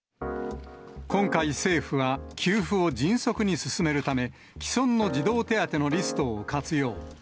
今回、政府は給付を迅速に進めるため、既存の児童手当のリストを活用。